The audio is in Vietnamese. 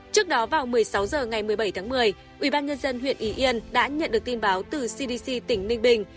trước đó vào một mươi sáu h ngày một mươi bảy tháng một mươi ubnd huyện y yên đã nhận được tin báo từ cdc tỉnh ninh bình